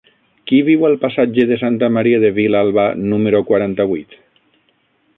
Qui viu al passatge de Santa Maria de Vilalba número quaranta-vuit?